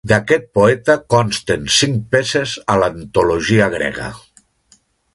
D'aquest poeta consten cinc peces a l'antologia grega.